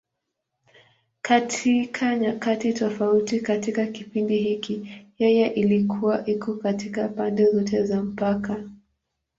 Katika nyakati tofauti katika kipindi hiki, yeye ilikuwa iko katika pande zote za mpaka.